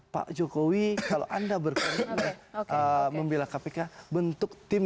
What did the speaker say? pak jokowi kalau anda berkomitmen membela kpk bentuk tim